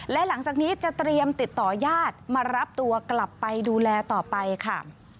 และหลังจากนี้จะเตรียมติดต่อยาดมารับตัวกลับไปดูแลต่อไปค่ะ